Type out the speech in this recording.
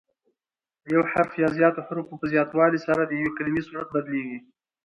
د یو حرف یا زیاتو حروفو په زیاتوالي سره د یوې کلیمې صورت بدلیږي.